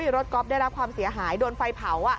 รถก๊อฟได้รับความเสียหายโดนไฟเผา